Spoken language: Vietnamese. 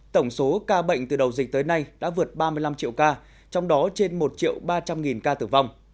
tổng số ca bệnh từ đầu dịch tới nay đã vượt ba mươi năm triệu ca trong đó trên một ba trăm linh ca tử vong